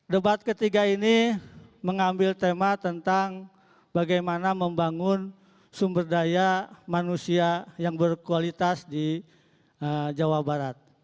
debat ketiga ini mengambil tema tentang bagaimana membangun sumber daya manusia yang berkualitas di jawa barat